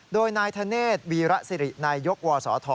โดยนายธเนธวีระสิรินายยกวศธ